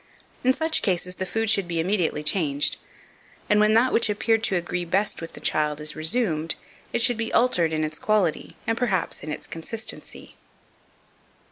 In such cases the food should be immediately changed, and when that which appeared to agree best with the child is resumed, it should be altered in its quality, and perhaps in its consistency.